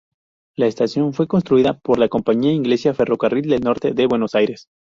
La estación fue construida por la compañía inglesa Ferrocarril del Norte de Buenos Aires.